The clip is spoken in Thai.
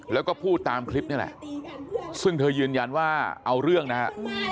แล้วก็พูดตามคลิปนี่แหละซึ่งเธอยืนยันว่าเอาเรื่องนะฮะ